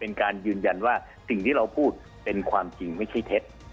เป็นการยืนยันว่าสิ่งที่เราพูดเป็นความจริงไม่ใช่เท็จ